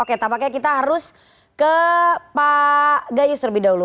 oke tampaknya kita harus ke pak gayus terlebih dahulu